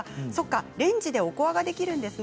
レンジでおこわができるんですね。